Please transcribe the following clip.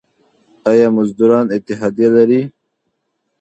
آیا مزدوران اتحادیه لري؟